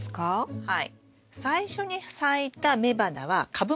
はい。